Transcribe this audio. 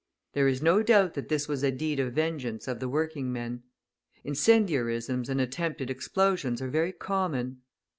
There is no doubt that this was a deed of vengeance of the working men. Incendiarisms and attempted explosions are very common.